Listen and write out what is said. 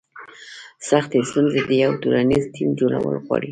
سختې ستونزې د یو ټولنیز ټیم جوړول غواړي.